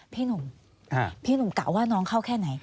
พี่หนุ่มกล่าวว่าน้องเข้าแค่ไหน